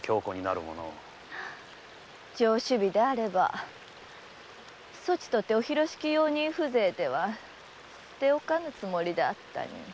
上首尾であればそちとてお広敷用人風情では捨て置かぬつもりであったに。